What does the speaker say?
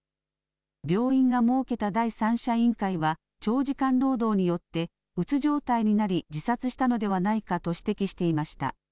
病院が設けた第三者委員会は、長時間労働によってうつ状態になり、自殺したのではないかと指摘していました。